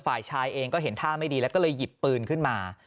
ฝ่ายชายเองก็เห็นท่าไม่ดีแล้วก็เลยหยิบปืนขึ้นมา